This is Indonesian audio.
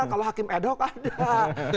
kalau hakim ad hoc ada